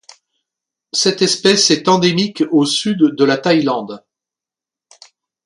Cette espèce est endémique au sud de la Thaïlande.